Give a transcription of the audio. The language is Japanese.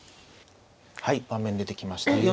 はい盤面出てきました。